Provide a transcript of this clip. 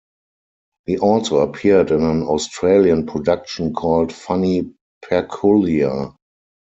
He also appeared in an Australian production called "Funny Peculiar".